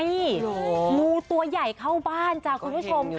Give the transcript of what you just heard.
นี่งูตัวใหญ่เข้าบ้านจ้ะคุณผู้ชมค่ะ